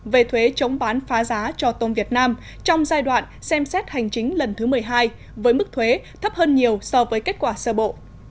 về thuế chống bán phá giá cho tôm việt nam trong giai đoạn xem xét hành chính lần thứ một mươi hai với mức thuế thấp hơn nhiều so với kết quả sơ bộ